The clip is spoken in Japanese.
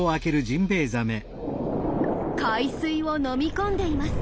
海水を飲み込んでいます。